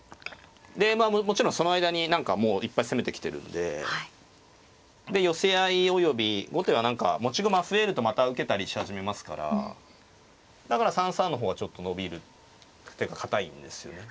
でまあもちろんその間に何かもういっぱい攻めてきてるんでで寄せ合いおよび後手は何か持ち駒増えるとまた受けたりし始めますからだから３三の方がちょっと伸びる堅いんですよね。